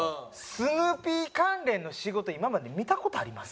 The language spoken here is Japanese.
スヌーピー関連の仕事今まで見た事あります？